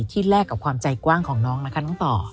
แลกกับความใจกว้างของน้องนะคะน้องต่อ